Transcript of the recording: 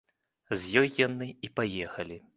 З ёй яны і паехалі.